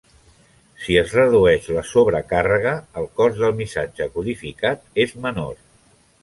Si es redueix la sobrecàrrega, el cos del missatge codificat és menor.